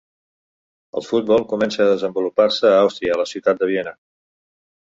El futbol comença a desenvolupar-se a Àustria a la ciutat de Viena.